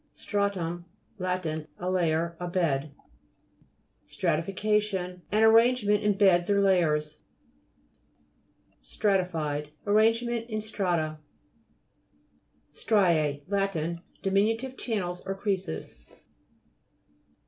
STRA'TUM Lat. A layer, a bed. STRATTFICA'TION An arrangement in beds or layers. STRA'TIFIED Arranged in strata. STRIPS Lat. Diminutive channels or creases.